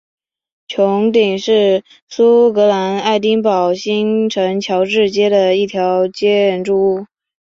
穹顶是苏格兰爱丁堡新城乔治街的一座建筑物。